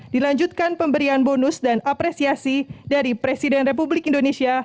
dilanjutkan pemberian bonus dan apresiasi dari presiden republik indonesia